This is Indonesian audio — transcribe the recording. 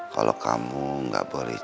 kalau kamu gak boleh